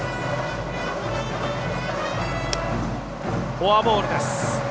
フォアボールです。